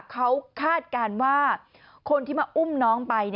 เขาคาดการณ์ว่าคนที่มาอุ้มน้องไป